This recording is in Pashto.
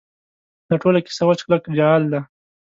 دا ټوله کیسه وچ کلک جعل دی.